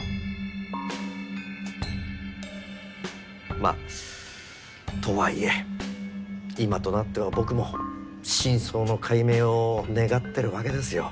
まあとはいえ今となっては僕も真相の解明を願ってるわけですよ。